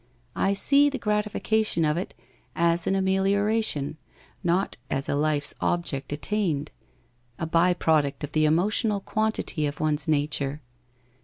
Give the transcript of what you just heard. I see the gratifi cation of it as an amelioration, not as a life's object at tained — a by product of the emotional quantity of one's nature.